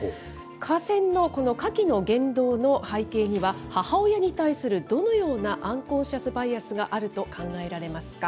下線のこの下記の言動の背景には、母親に対する、どのようなアンコンシャス・バイアスがあると考えられますか。